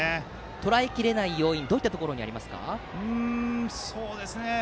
とらえきれない要因はどういったところにありますか？